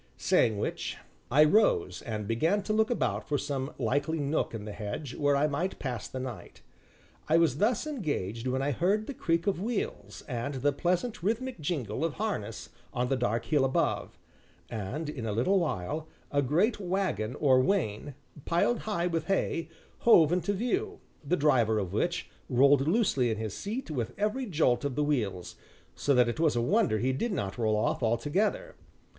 Saying which, I rose and began to look about for some likely nook in the hedge, where I might pass the night. I was thus engaged when I heard the creak of wheels, and the pleasant rhythmic jingle of harness on the dark hill above, and, in a little while, a great wagon or wain, piled high with hay, hove into view, the driver of which rolled loosely in his seat with every jolt of the wheels, so that it was a wonder he did not roll off altogether.